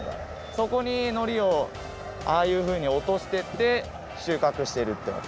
そこにのりをああいうふうにおとしてって収穫してるってわけ。